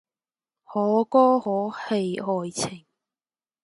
可歌可泣愛情